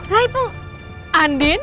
bandit bandit bandit